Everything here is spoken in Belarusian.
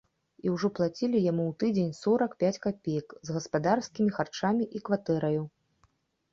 І ўжо плацілі яму ў тыдзень сорак пяць капеек, з гаспадарскімі харчамі і кватэраю.